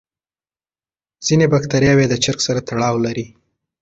ځینې بکتریاوې د چرګ سره تړاو لري.